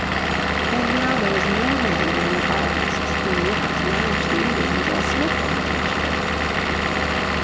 And now there was no man among the colonists who knew how to manage the Indians as Smith had managed them.